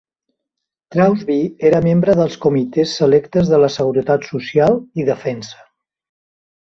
Crausby era membre dels comitès selectes de la seguretat social i defensa.